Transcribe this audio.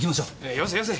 よせよせ。